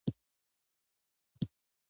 د ژوند ښه کولو لپاره ټکنالوژي وکاروئ.